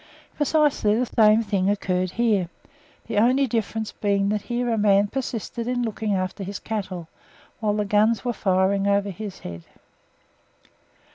Precisely the same thing occurred here the only difference being that here a man persisted in looking after his cattle, while the guns were firing over his head.